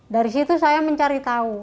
dari situ saya mencari tahu